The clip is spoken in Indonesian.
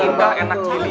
ini indah enak sih liat